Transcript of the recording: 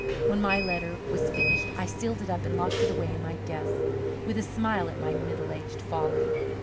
When my letter was finished I sealed it up and locked it away in my desk with a smile at my middle aged folly.